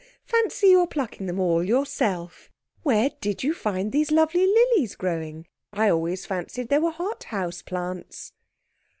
Fancy your plucking them all yourself! Where did you find these lovely lilies growing? I always fancied they were hot house plants.'